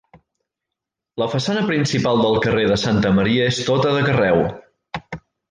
La façana principal del carrer de Sant Maria és tota de carreu.